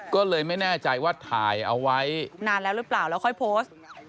ก็เลยไม่แน่ใจว่าถ่ายเอาไว้นานแล้วหรือเปล่าแล้วค่อยโพสต์